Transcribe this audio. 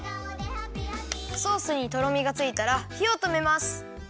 ソースにとろみがついたらひをとめます。